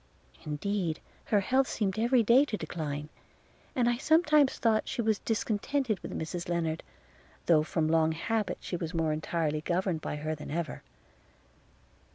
Indeed her health seemed every day to decline: and I sometimes thought she was discontented with Mrs Lennard, though from long habit she was more entirely governed by her than ever.